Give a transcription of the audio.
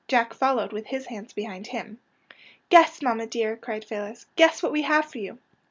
Jack followed, with his hands behind him. ^' Guess, mamma, dear! " cried Phyllis. *' Guess what we have for you!